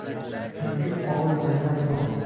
Tungi og’ir jangdan so’ng